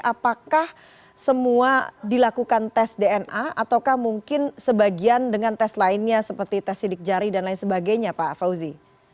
apakah semua dilakukan tes dna ataukah mungkin sebagian dengan tes lainnya seperti tes sidik jari dan lain sebagainya pak fauzi